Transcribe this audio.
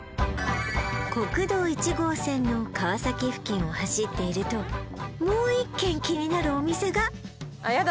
国道１号線の川崎付近を走っているともう１軒気になるお店がやだ